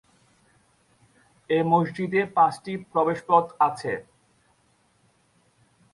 এ মসজিদে পাঁচটি প্রবেশপথ আছে।